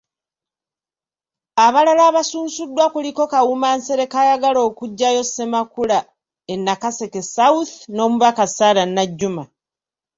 Abalala abasunsuddwa kuliko; Kawuma Nsereko ayagala okuggyayo Ssemakula e Nakaseke South, n'Omubaka Sarah Najjuma.